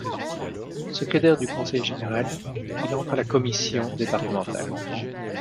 Secrétaire du Conseil général, il entre à la Commission départementale.